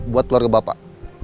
buat keluar ke bapak